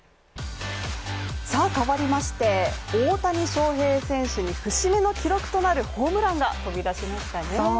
変わりまして大谷翔平選手に節目の記録となるホームランが飛び出しましたね。